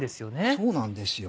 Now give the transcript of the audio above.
そうなんですよ